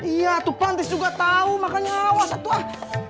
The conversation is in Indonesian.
iya atuh pak antis juga tau makanya awas atuh ah